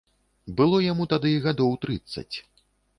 Было яму тады гадоў трыццаць.